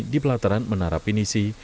di pelataran menara pinisi